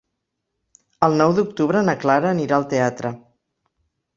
El nou d'octubre na Clara anirà al teatre.